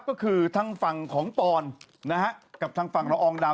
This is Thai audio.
ก็คือทางฝั่งของปอนนะฮะกับทางฝั่งละอองดาว